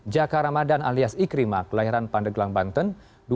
jaka ramadan alias ikrimah kelahiran pandeglang banten